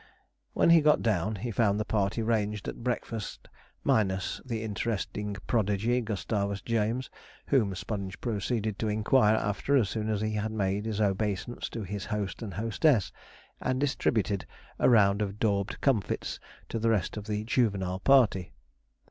When he got down, he found the party ranged at breakfast, minus the interesting prodigy, Gustavus James, whom Sponge proceeded to inquire after as soon as he had made his obeisance to his host and hostess, and distributed a round of daubed comfits to the rest of the juvenile party.